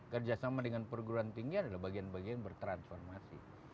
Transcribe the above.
kerjasama dengan perguruan tinggi adalah bagian bagian bertransformasi